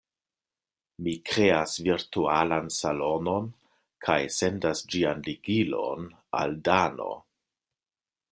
Mi kreas virtualan salonon, kaj sendas ĝian ligilon al Dano.